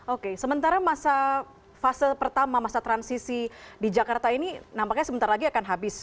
oke sementara masa fase pertama masa transisi di jakarta ini nampaknya sebentar lagi akan habis